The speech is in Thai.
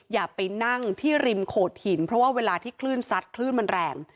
อย่าไปนั่งที่ริมโขดหินเพราะว่าเวลาที่คลื่นซัดคลื่นมันแรง